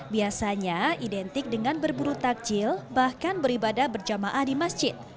biasanya identik dengan berburu takjil bahkan beribadah berjamaah di masjid